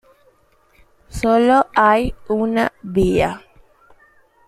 Sólo hay una vía.